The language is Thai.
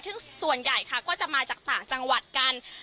ซึ่งส่วนใหญ่ค่ะก็จะมาจากต่างจังหวัดกัน